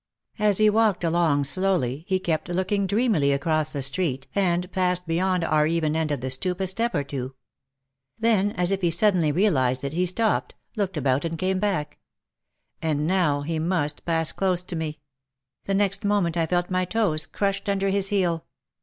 As he walked along slowly he kept looking dreamily across the street and passed beyond our even end of the stoop a step or two. Then, as if he suddenly realised it he stopped, looked about and came back. And now he must pass close to me. The next moment I felt my toes crushed under his heel.